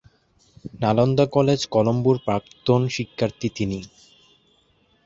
Nalanda college কলম্বোর প্রাক্তন শিক্ষার্থী তিনি।